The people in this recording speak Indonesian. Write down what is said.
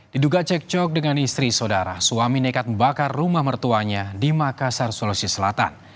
diduga cekcok dengan istri saudara suami nekat membakar rumah mertuanya di makassar sulawesi selatan